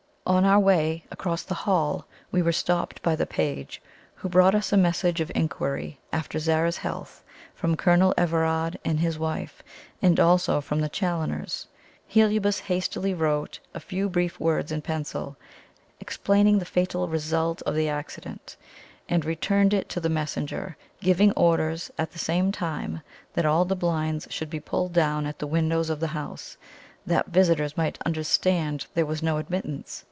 On our way across the hall we were stopped by the page, who brought us a message of inquiry after Zara's health from Colonel Everard and his wife, and also from the Challoners. Heliobas hastily wrote a few brief words in pencil, explaining the fatal result of the accident, and returned it to the messenger, giving orders at the same time that all the blinds should be pulled down at the windows of the house, that visitors might understand there was no admittance.